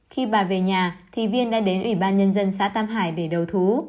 khi bà về nhà thì viên đã đến ủy ban nhân dân xã tam hải để đầu thú